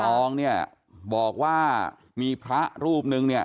ตองบอกว่ามีพระรูปหนึ่ง